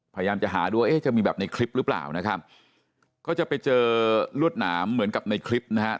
พยายามจะหาดูว่าเอ๊ะจะมีแบบในคลิปหรือเปล่านะครับก็จะไปเจอลวดหนามเหมือนกับในคลิปนะฮะ